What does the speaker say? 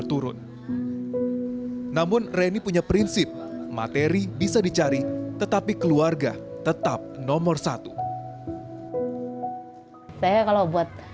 turun namun reni punya prinsip materi bisa dicari tetapi keluarga tetap nomor satu saya kalau buat